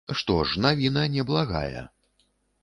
Што ж, навіна неблагая.